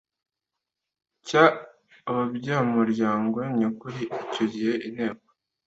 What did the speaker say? cy ababyamuryango nyakuri Icyo gihe Inteko